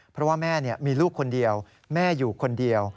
เพราะว่าแม่มีลูกคนเดียวแม่อยู่คนเดียว